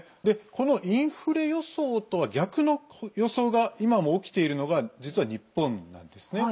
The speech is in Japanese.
このインフレ予想とは逆の予想が今も起きているのが実は日本なんですね。